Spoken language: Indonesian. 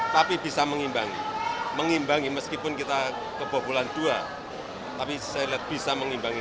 tapi bisa mengimbangi mengimbangi meskipun kita kebobolan dua tapi saya lihat bisa mengimbangi